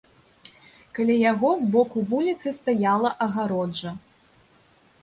Каля яго з боку вуліцы стаяла агароджа.